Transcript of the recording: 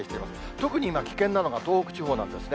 特に危険なのが、東北地方なんですね。